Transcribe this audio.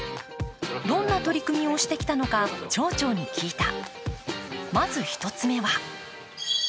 どんな取り組みをしてきたのか、町長に聞いた。